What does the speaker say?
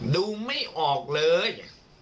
ดูไม่ออกเลย